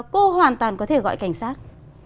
cô hoàn toàn có thể gọi cảnh sát